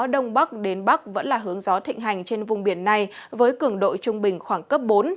đông bắc đến bắc vẫn là hướng gió thịnh hành trên vùng biển này với cường độ trung bình khoảng cấp bốn